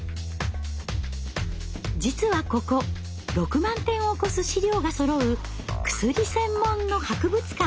実はここ６万点を超す資料がそろう薬専門の博物館。